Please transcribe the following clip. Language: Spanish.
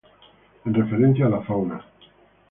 En referencia a la fauna.